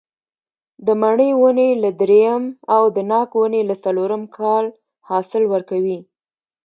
د مڼې ونې له درېیم او د ناک ونې له څلورم کال حاصل ورکوي.